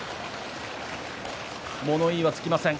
物言いはつきません。